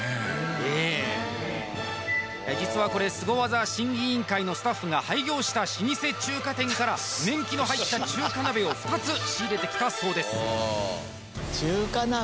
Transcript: ええ実はこれスゴ技審議委員会のスタッフが廃業した老舗中華店から年季の入った中華鍋を２つ仕入れてきたそうです